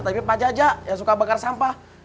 tapi pak jajak yang suka bakar sampah